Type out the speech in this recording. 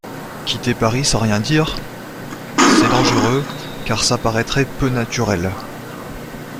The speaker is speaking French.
Quitter Paris sans rien dire ? C'est dangereux, car ça paraîtrait peu naturel.